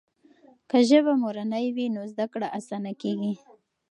که ژبه مورنۍ وي نو زده کړه اسانه کېږي.